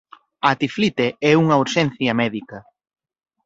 A tiflite é unha urxencia médica.